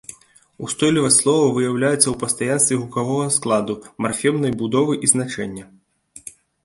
Устойлівасць слова выяўляецца ў пастаянстве гукавога складу, марфемнай будовы і значэння.